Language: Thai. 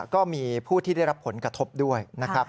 ก็มีผู้ที่ได้รับผลกระทบด้วยนะครับ